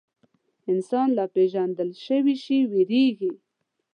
انسان له ناپېژندل شوي شي وېرېږي.